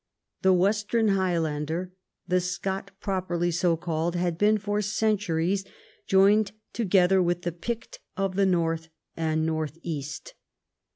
The western Highlander, the Scot properly so called, had been for centuries joined together with the Pict of the north and north east.